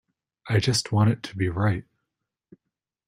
I just want it to be right.